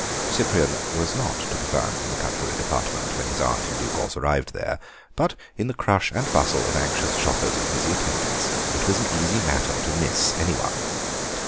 Cyprian was not to be found in the cutlery department when his aunt in due course arrived there, but in the crush and bustle of anxious shoppers and busy attendants it was an easy matter to miss anyone.